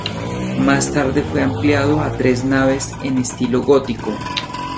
Más tarde fue ampliado a tres naves en estilo gótico.